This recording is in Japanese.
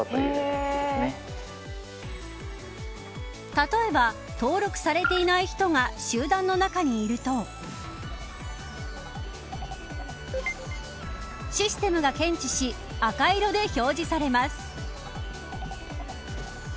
例えば登録されていない人が集団の中にいるとシステムが検知し赤色で表示されます。